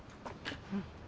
うん。